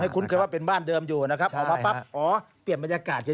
คุ้นเคยว่าเป็นบ้านเดิมอยู่นะครับออกมาปั๊บอ๋อเปลี่ยนบรรยากาศเฉย